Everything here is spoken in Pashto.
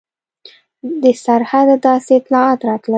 د سرحده داسې اطلاعات راتلل.